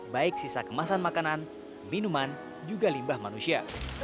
baik sisa kemasan makanan minuman juga limbah manusia